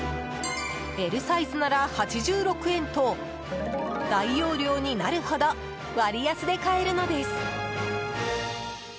Ｌサイズなら８６円と大容量になるほど割安で買えるのです。